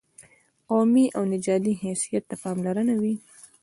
قومي او نژادي حیثیت ته پاملرنه وي.